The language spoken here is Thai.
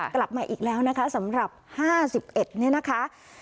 ค่ะมาอีกแล้วนะคะสำหรับห้าสิบเอ็ดเนี้ยนะคะ